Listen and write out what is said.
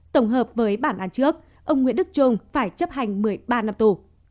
tổng hợp với bản án trước ông nguyễn đức trung phải chấp hành một mươi ba năm tù